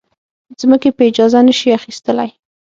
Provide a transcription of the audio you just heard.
ځمکې په اجاره نه شي اخیستلی.